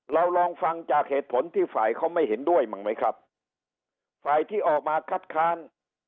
ลองฟังจากเหตุผลที่ฝ่ายเขาไม่เห็นด้วยมั้งไหมครับฝ่ายที่ออกมาคัดค้าน